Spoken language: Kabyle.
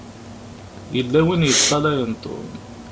Yella win i yeṭṭalayen Tom.